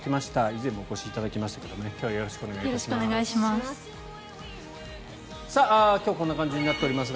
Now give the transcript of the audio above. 以前もお越しいただきましたがよろしくお願いします。